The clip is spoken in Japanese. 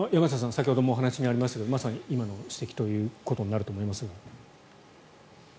先ほどもお話にありましたがまさしく今の指摘ということになると思いますが。